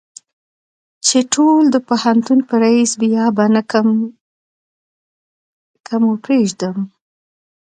چې ټول د پوهنتون په ريس بې آبه نه کم که مو پرېدم.